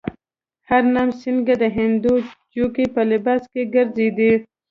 هرنام سینګه د هندو جوګي په لباس کې ګرځېدی.